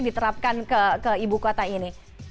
diterapkan ke ibu kota ini